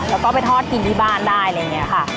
แล้วก็ไปทอดกินที่บ้านได้อะไรอย่างนี้ค่ะ